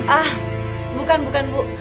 ah bukan bukan bu